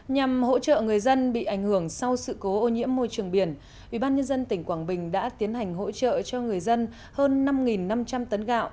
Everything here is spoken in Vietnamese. nhằm hỗ trợ người dân bị ảnh hưởng sau sự cố ô nhiễm môi trường biển ubnd tỉnh quảng bình đã tiến hành hỗ trợ cho người dân hơn năm năm trăm linh tấn gạo